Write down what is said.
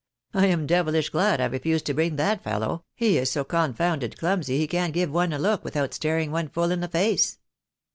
I am devihsh glad I refused to bring that fellow — he is so confounded clumsy, he can't give one a look without staring one full in the face.